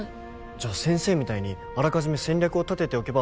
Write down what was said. じゃ先生みたいにあらかじめ戦略を立てておけば